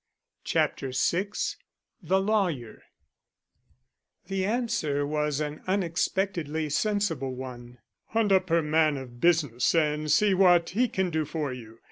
CHAPTER VI THE LAWYER The answer was an unexpectedly sensible one. "Hunt up her man of business and see what he can do for you.